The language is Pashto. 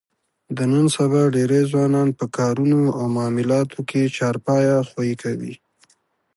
د نن سبا ډېری ځوانان په کارونو او معاملاتو کې چارپایه خوی کوي.